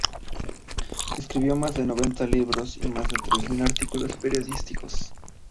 Escribió más de noventa libros y más de tres mil artículos periodísticos.